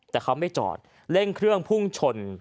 แต่เขาไม่จอดเร่งเครื่องพุ่งชน